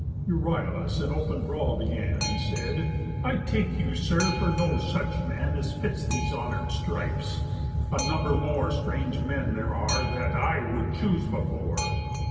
Euryalus an open brawl began, And said: "I take you, sir, for no such man As fits these honour'd strifes. A number more Strange men there are that I would choose before.